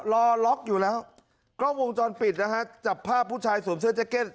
รอล็อกอยู่แล้วกล้องวงจรปิดนะฮะจับภาพผู้ชายสวมเสื้อแจ็คเก็ต